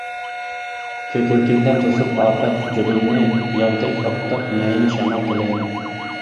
كۆكرىكىمدە توسۇپ ئاپەت، جۇدۇننى، ياغدەك ئاپتاپ، مەيىن شامال تىلەيمەن.